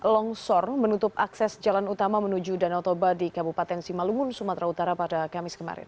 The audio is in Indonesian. longsor menutup akses jalan utama menuju danau toba di kabupaten simalungun sumatera utara pada kamis kemarin